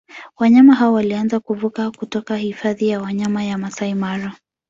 Wanyama hao walianza kuvuka kutoka Hifadhi ya Wanyama ya Maasai Mara